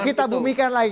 kita bumikan lagi